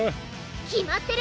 決まってる！